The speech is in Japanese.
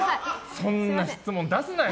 そんな質問、出すなよ！